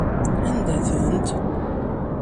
Anda-tent?